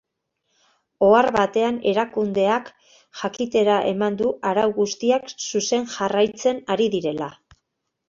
Ohar batean erakundeak jakitera eman du arau guztiak zuzen jarraitzen ari direla.